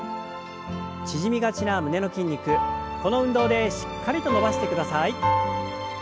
縮みがちな胸の筋肉この運動でしっかりと伸ばしてください。